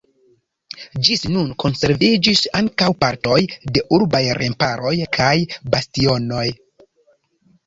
Ĝis nun konserviĝis ankaŭ partoj de urbaj remparoj kaj bastionoj.